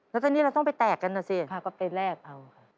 แล้วตอนนี้เราต้องไปแตกกันนะสิค่ะก็ไปแลกเอาค่ะ